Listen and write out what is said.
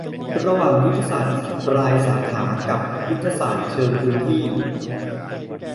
ระหว่างยุทธศาสตร์รายสาขากับยุทธศาสตร์เชิงพื้นที่